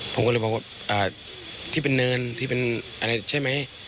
ผมก็เลยบอกว่าที่เป็นเนินที่เป็นอะไรใช่ไหม